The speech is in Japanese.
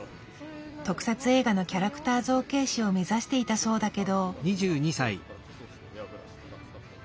特撮映画のキャラクター造形師を目指していたそうだけど。